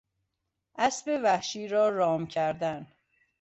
اسب وحشی را رام کردن